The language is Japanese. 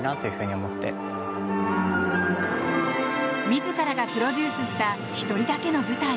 自らがプロデュースした１人だけの舞台。